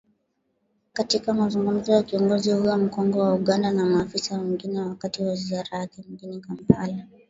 katika mazungumzo na kiongozi huyo mkongwe wa Uganda na maafisa wengine wakati wa ziara yake mjini kampala